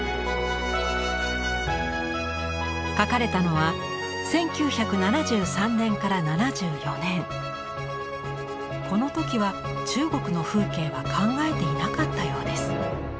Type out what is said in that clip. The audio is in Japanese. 書かれたのは１９７３年から７４年この時は中国の風景は考えていなかったようです。